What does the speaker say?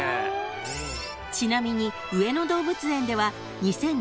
［ちなみに上野動物園では］